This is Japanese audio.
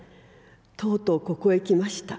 とうとうここへ来ました。